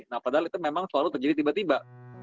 nah padahal itu memang selalu terjadi tiba tiba